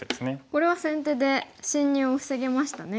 これは先手で侵入を防げましたね。